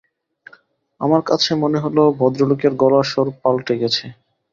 আমার কাছে মনে হল ভদ্রলোকের গলার স্বর পান্টে গেছে।